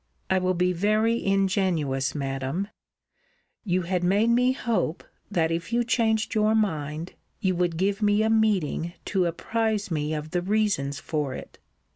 'I will be very ingenuous, Madam You had made me hope that if you changed your mind, you would give me a meeting to apprize me of the reasons for it.